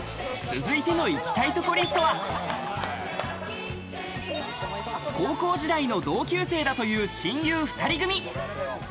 続いての行きたいとこリストは、高校時代の同級生だという親友２人組。